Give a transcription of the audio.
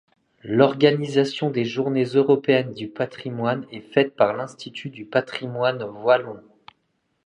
L'organisation des journées européennes du patrimoine est faite par l'Institut du patrimoine wallon.